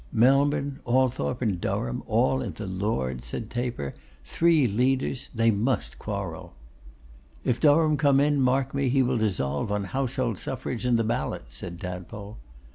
'Melbourne, Althorp, and Durham, all in the Lords,' said Taper. 'Three leaders! They must quarrel.' 'If Durham come in, mark me, he will dissolve on Household Suffrage and the Ballot,' said Tadpole.